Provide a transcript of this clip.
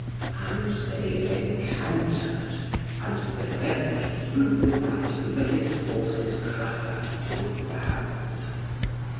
And they encountered, and Peredur threw the knight over his horse's crupper to the ground.